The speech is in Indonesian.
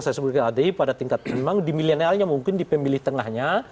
saya sebutkan tadi pada tingkat memang di milenialnya mungkin di pemilih tengahnya